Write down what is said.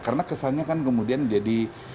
karena kesannya kan kemudian jadi